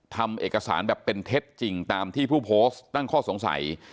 ทำเอกสารแบบเป็นเท็จจริงตามที่ผู้โพสต์ตั้งข้อสงสัย